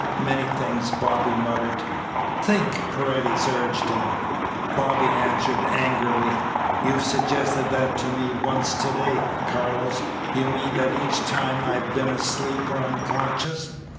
"Many things," Bobby muttered. "Think," Paredes urged him. Bobby answered angrily: "You've suggested that to me once to day, Carlos. You mean that each time I have been asleep or unconscious."